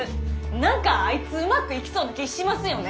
何かあいつうまくいきそうな気ぃしますよね。